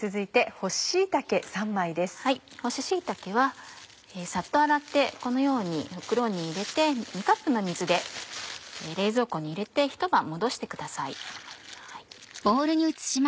干し椎茸はさっと洗ってこのように袋に入れて２カップの水で冷蔵庫に入れてひと晩もどしてください。